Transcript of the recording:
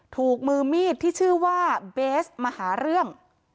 ถูกมือมีดที่ชื่อว่าเบสมาหาเรื่อง